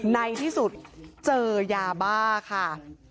ในที่สุดเจอยาบ้าค่ะ